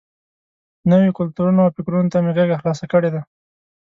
نویو کلتورونو او فکرونو ته مې غېږه خلاصه کړې ده.